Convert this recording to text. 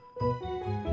pak sopian laperni